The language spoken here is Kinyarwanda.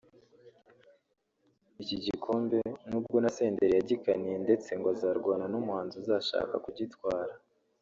Iki gikombe nubwo na Senderi yagikaniye ndetse ngo azarwana n’umuhanzi uzashaka kugitwara